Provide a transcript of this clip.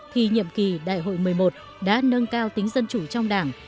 thì nhiệm kỳ đại hội một mươi một đã nâng cao tính dân chủ trong đảng